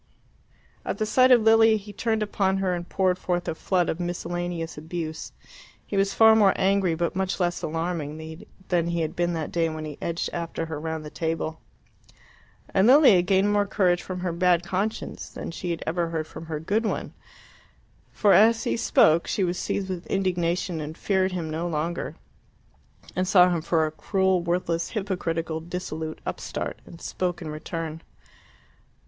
At the sight of Lilia he turned upon her and poured forth a flood of miscellaneous abuse. He was far more angry but much less alarming than he had been that day when he edged after her round the table. And Lilia gained more courage from her bad conscience than she ever had from her good one, for as he spoke she was seized with indignation and feared him no longer, and saw him for a cruel, worthless, hypocritical, dissolute upstart, and spoke in return.